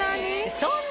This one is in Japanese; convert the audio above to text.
そんなに？